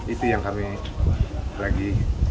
itu yang kami lagi